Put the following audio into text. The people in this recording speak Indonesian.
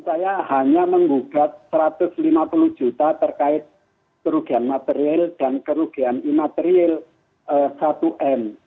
saya hanya menggugat satu ratus lima puluh juta terkait kerugian material dan kerugian imaterial satu m